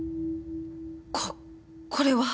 ここれは。